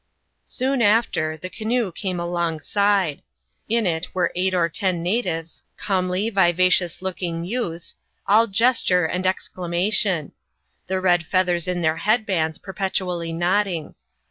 Soon after, the canoe came alongside. In it were eight or ten natives, comely, vivacious looking youths, all gesture and exclamation; the red feathers in their headbands perpetually nodding.